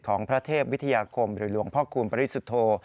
ของพระเทพวิทยาคมหรือหลวงพ่อคูณปริสุทธโธ